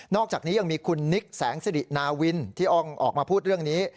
อกจากนี้ยังมีคุณนิกแสงสิรินาวินที่อ้องออกมาพูดเรื่องนี้